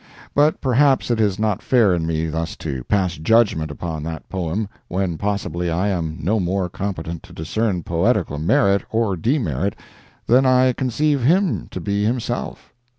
But perhaps it is not fair in me thus to pass judgment upon that poem, when possibly I am no more competent to discern poetical merit or demerit than I conceive him to be himself.